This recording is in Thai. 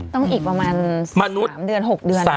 ต้องอีกประมาณ๓เดือน๖เดือน